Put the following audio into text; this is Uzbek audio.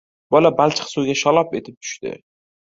Bola balchiq suvga shalop etib tushdi.